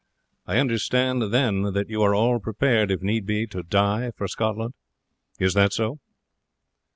I understand then that you are all prepared, if need be, to die for Scotland. Is this so?"